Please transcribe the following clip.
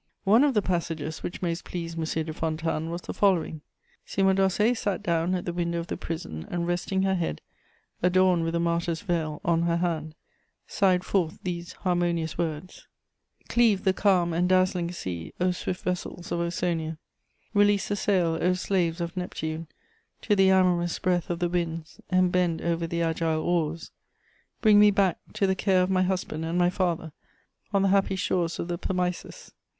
One of the passages which most pleased M. de Fontanes was the following: "Cymodocée sat down at the window of the prison and, resting her head, adorned with the martyr's veil, on her hand, sighed forth these harmonious words: "'Cleave the calm and dazzling sea, O swift vessels of Ausonia; release the sail, O slaves of Neptune, to the amorous breath of the winds, and bend over the agile oars. Bring me back to the care of my husband and my father, on the happy shores of the Pamisus!